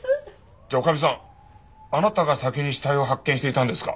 じゃあ女将さんあなたが先に死体を発見していたんですか？